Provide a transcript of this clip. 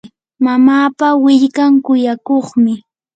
mamapa willkan kuyakuqmi.